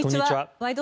「ワイド！